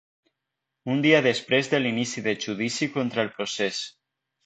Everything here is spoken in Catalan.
Un dia després de l’inici de judici contra el procés.